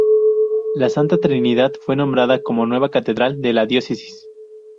La Santa Trinidad fue nombrada como nueva catedral de la diócesis.